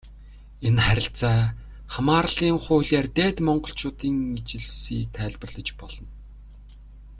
Энэ харилцаа хамаарлын хуулиар Дээд Монголчуудын ижилслийг тайлбарлаж болно.